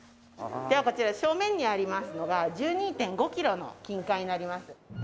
ではこちら正面にありますのが１２．５キロの金塊になります。